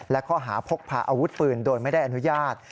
และข้อหาพกพาอาวุธปืนโดยไม่ได้อนุญาต